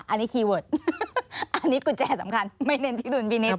อันนี้คีย์เวิร์ดอันนี้กุญแจสำคัญไม่เน้นที่ดุลพินิษฐ